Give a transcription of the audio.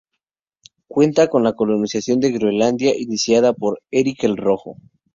Cuenta la colonización de Groenlandia iniciada por Erik el Rojo.